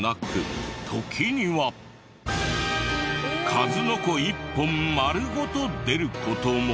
数の子一本丸ごと出る事も。